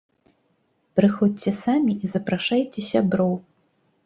Прыходзьце самі і запрашайце сяброў!